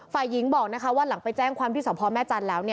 ฝ่ายหญิงบอกว่าหลังไปแจ้งความที่สพแม่จันทร์แล้ว